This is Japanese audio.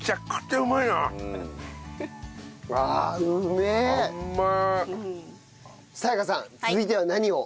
明夏さん続いては何を？